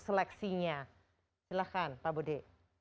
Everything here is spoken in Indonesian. seleksinya silahkan pak budi